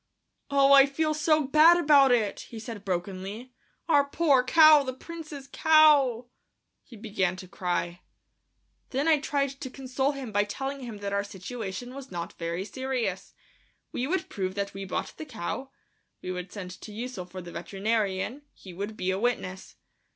"Oh, I feel so bad about it," he said brokenly; "our poor cow, the Prince's cow!" He began to cry. Then I tried to console him by telling him that our situation was not very serious. We would prove that we bought the cow; we would send to Ussel for the veterinarian ... he would be a witness.